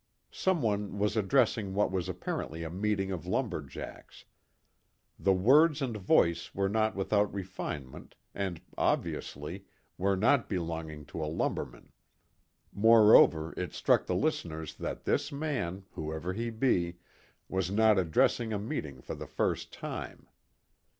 Some one was addressing what was apparently a meeting of lumber jacks. The words and voice were not without refinement, and, obviously, were not belonging to a lumberman. Moreover, it struck the listeners that this man, whoever he be, was not addressing a meeting for the first time.